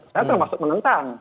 saya termasuk menentang